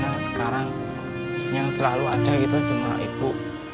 karena sekarang yang selalu ada itu semua ibu